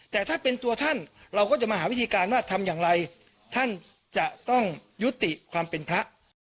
แต่ถ้าเป็นตัวท่านเราก็จะมาหาวิธีการว่าทำอย่างไรท่านจะต้องยุติความเป็นพระ